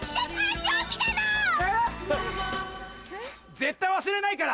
絶対忘れないから！